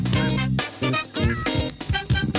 โปรดติดตามตอนต่อไป